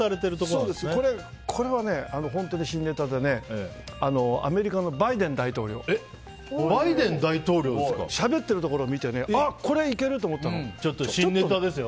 これは本当に新ネタでアメリカのバイデン大統領。しゃべってるところを見てこれ、いける！って思ったの。